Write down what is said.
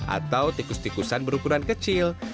atau tikus tikusan berukuran kecil